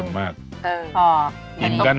ไม่ต้อง